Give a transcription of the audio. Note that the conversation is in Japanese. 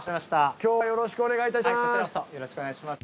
今日はよろしくお願いいたします。